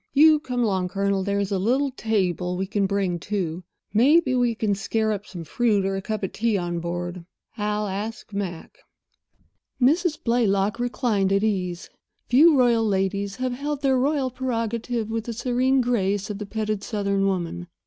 You come along, Colonel—there's a little table we can bring, too. Maybe we can scare up some fruit or a cup of tea on board. I'll ask Mac." Mrs. Blaylock reclined at ease. Few royal ladies have held their royal prerogative with the serene grace of the petted Southern woman.